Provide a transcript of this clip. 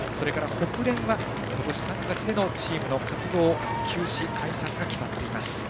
それからホクレンが今年３月でのチームの活動休止・解散が決まっています。